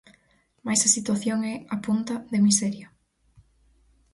Mais a situación é, apunta, "de miseria".